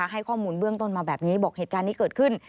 ให้ข้อมูลเบื้องต้นมาแบบนี้บอกเหตุการณ์นี้เกิดขึ้น